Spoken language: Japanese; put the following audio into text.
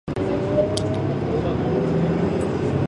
アイスクリーム